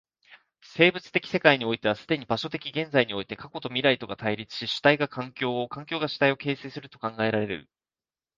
生物的世界においては既に場所的現在において過去と未来とが対立し、主体が環境を、環境が主体を形成すると考えられる。